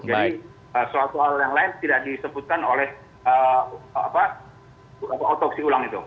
jadi soal soal yang lain tidak disebutkan oleh otopsi ulang itu